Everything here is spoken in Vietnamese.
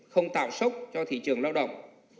không tạo sốc cho thị trường lao động